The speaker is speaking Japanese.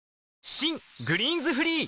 新「グリーンズフリー」